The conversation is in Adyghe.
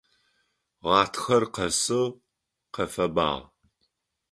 Гъатхэр къэсыгъ, къэфэбагъ.